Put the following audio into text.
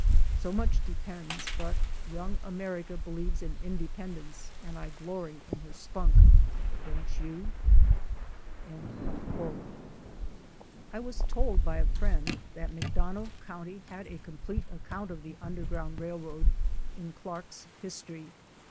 So much depends but young America be lieves in independence and I glory in her spunk, don't you?" I was told by a friend that McDonough county had a com plete account of the Underground Eailroad in Clark's His tory.